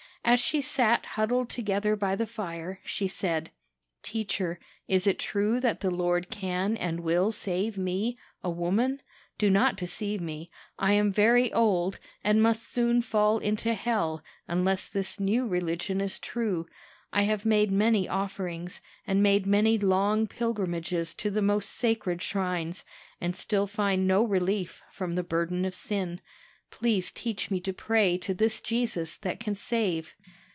As she sat huddled together by the fire, she said: 'Teacher, is it true that the Lord can and will save me, a woman? Do not deceive me; I am very old, and must soon fall into hell, unless this new religion is true. I have made many offerings, and made many long pilgrimages to the most sacred shrines, and still find no relief from the burden of sin. Please teach me to pray to this Jesus that can save.'